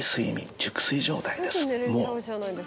熟睡状態ですもう。